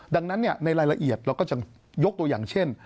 ดังนั้นในรายละเอียดเราก็จะยกตัวอย่างเช่น